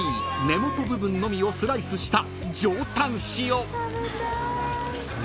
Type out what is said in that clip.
根元部分のみをスライスした］